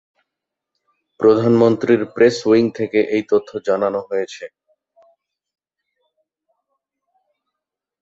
প্রধানমন্ত্রীর press wing থেকে এই তথ্য জানানো হয়েছে।